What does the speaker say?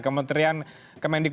semak secretario bananas lagi